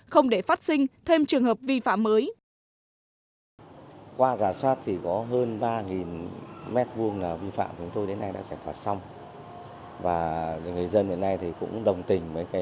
không để phát sinh thêm trường hợp vi phạm mới